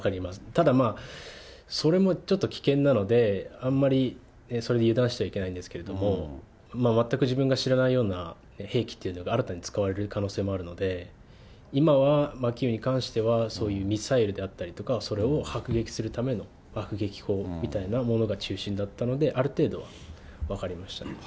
ただそれもちょっと危険なので、あんまりそれで油断してはいけないんですけれども、全く自分が知らないような兵器っていうのが新たに使われる可能性もあるので、今はキーウに関しては、そういうミサイルであったりとかは、それを迫撃するための爆撃砲みたいなものが中心だったので、ある程度は分かりました。